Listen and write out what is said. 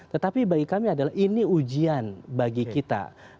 tetapi bagi kami adalah ini ujian bagi kita